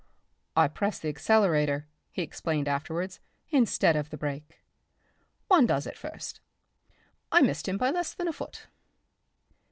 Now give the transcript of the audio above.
"I pressed the accelerator," he explained afterwards, "instead of the brake. One does at first. I missed him by less than a foot."